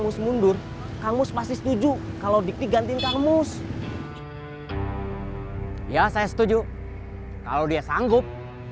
mus mundur kang mus pasti setuju kalau dik dik ganti kang mus ya saya setuju kalau dia sanggup